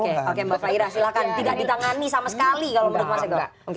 oke mbak faira silahkan tidak ditangani sama sekali kalau menurut mas eko